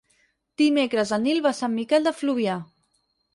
Dimecres en Nil va a Sant Miquel de Fluvià.